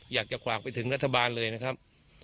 อยากจะฝากไปถึงรัฐบาลเลยนะครับ